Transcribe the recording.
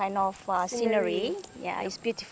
begitulah kampung berwa terlihat seperti ini